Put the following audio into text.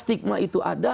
stempel itu ada